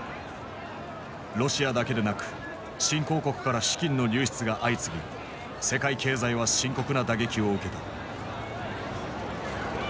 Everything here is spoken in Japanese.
ロシアだけでなく新興国から資金の流出が相次ぎ世界経済は深刻な打撃を受けた。